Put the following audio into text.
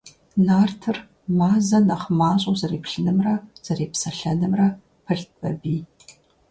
Нартыр Мазэ нэхъ мащӀэу зэреплъынымрэ зэрепсэлъэнымрэ пылът Бабий.